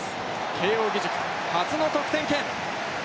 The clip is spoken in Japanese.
慶応義塾、初の得点圏。